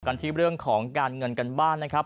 กันที่เรื่องของการเงินกันบ้างนะครับ